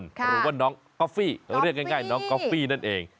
หรือว่าน้องก๊อฟฟี่เรียกง่ายน้องก๊อฟฟี่นั่นเอง